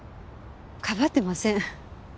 かばってません。